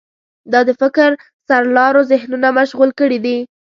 دا د فکر سرلارو ذهنونه مشغول کړي دي.